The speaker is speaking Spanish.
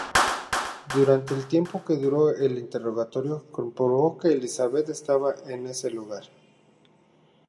Durante el tiempo que duró el interrogatorio, comprobó que Elisabeth estaba en ese lugar.